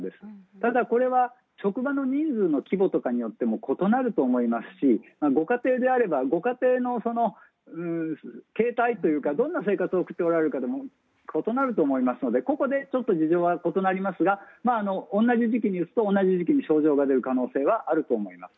ただ、これは職場の人数とか規模とかによっても異なると思いますしご家庭なら、形態というかどんな生活を送っていられるかでも異なると思いますので個々で事情は変わると思いますが同じ時期に打つと同じ時期に症状が出る可能性はあると思います。